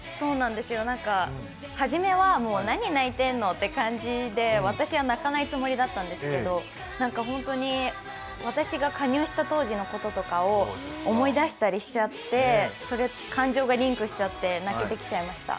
はじめは、なに泣いてんのって私は泣かないつもりだったんですけど、本当に私が加入した当時のこととかを思い出したりしちゃって感情リンクしちゃって、泣けてきちゃいました。